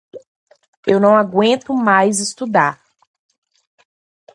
Eu não aguento mais estudar!